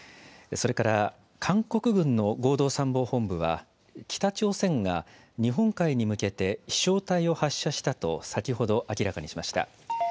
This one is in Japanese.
それから、韓国軍の合同参謀本部は、北朝鮮が、日本海に向けて、飛しょう体を発射したと先ほど、明らかにしました。